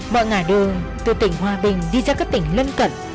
bọn ngã đường từ tỉnh hoa bình đi ra các tỉnh lân cận